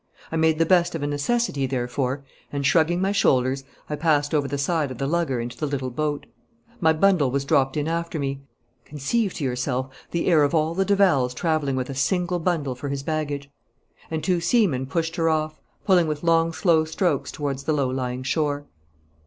I made the best of a necessity, therefore, and, shrugging my shoulders, I passed over the side of the lugger into the little boat. My bundle was dropped in after me conceive to yourself the heir of all the de Lavals travelling with a single bundle for his baggage! and two seamen pushed her off, pulling with long slow strokes towards the low lying shore.